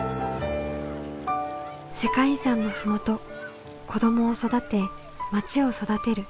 世界遺産の麓子どもを育てまちを育てる。